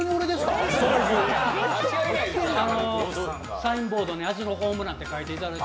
サインボードに味のホームランって書いてくださって。